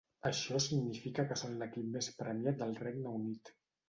Això significa que són l'equip més premiat del Regne Unit.